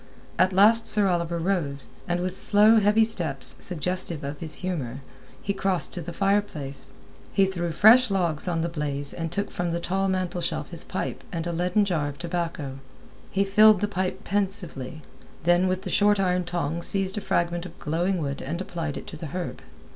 At last Sir Oliver rose, and with slow, heavy steps, suggestive of his humour, he crossed to the fire place. He threw fresh logs on the blaze, and took from the tall mantelshelf his pipe and a leaden jar of tobacco. He filled the pipe pensively, then with the short iron tongs seized a fragment of glowing wood and applied it to the herb.